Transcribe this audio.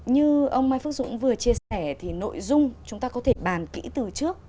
như ông mai phước dũng vừa chia sẻ thì nội dung chúng ta có thể bàn kỹ từ trước